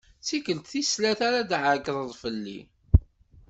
D tikelt tis tlata ara d-tɛeggdeḍ fell-i.